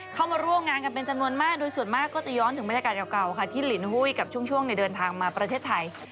เข้ามาร่วมงานกันเป็นจำนวนมากโดยส่วนมากก็จะย้อนถึงบรรยากาศเก่าค่ะที่ลินหุ้ยกับช่วงเดินทางมาประเทศไทย